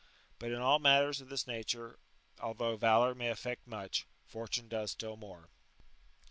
^* But in all matters of this nature, although valour may effect much, fortune does still more.